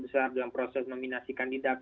besar dalam proses nominasi kandidat